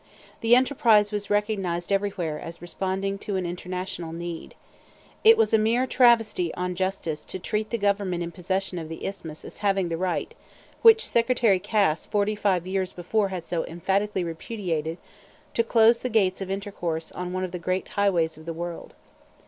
The enterprise was recognized everywhere as responding to an international need. It was a mere travesty on justice to treat the government in possession of the Isthmus as having the right which Secretary Cass forty five years before had so emphatically repudiated to close the gates of intercourse on one of the great highways of the world.